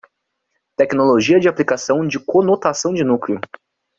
Tecnologia de aplicação de conotação de núcleo